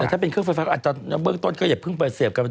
แต่ถ้าเป็นเครื่องไฟฟ้าก็อาจจะเบื้องต้นก็อย่าเพิ่งไปเสียบกัน